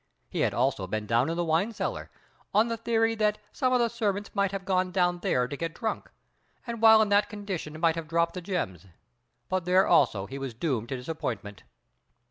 He had also been down in the wine cellar, on the theory that some of the servants might have gone down there to get drunk, and while in that condition might have dropped the gems, but there also he was doomed to disappointment.